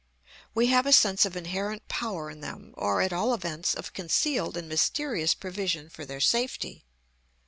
We have a sense of inherent power in them, or, at all events, of concealed and mysterious provision for their safety.